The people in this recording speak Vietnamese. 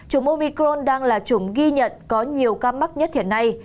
chủng omicron đang là chủng ghi nhận có nhiều ca mắc nhất hiện nay